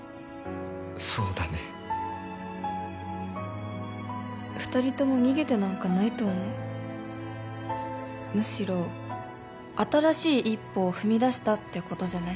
そうだね二人とも逃げてなんかないと思うむしろ新しい一歩を踏み出したってことじゃない？